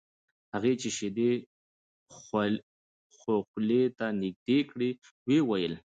هغه چې شیدې خولې ته نږدې کړې ویې ویل: